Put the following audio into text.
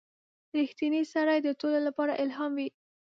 • رښتینی سړی د ټولو لپاره الهام وي.